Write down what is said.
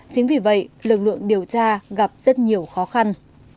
chính vì vậy lực lượng điều tra gặp rất nhiều khó khăn